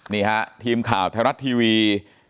นี่ฮะทีมข่าวไทยรัฐทีวี